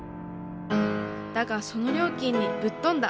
だがその料金にぶっ飛んだ。